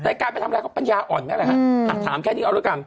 แต่การไปทำอะไรก็ปัญญาอ่อนแม้แหละฮะถามแค่นี้เอาด้วยกัน